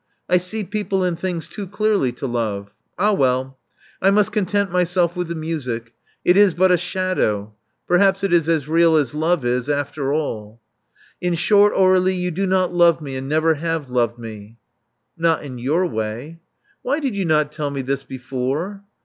I see people and things too clearly to love. Ah well ! I must content myself with the music. It is but a shadow. Perhaps it is as real as love is, after all." In short, Aur^lie, you do not love me, and never have loved me.*' Not in your way. '*Why did you not tell me this before?"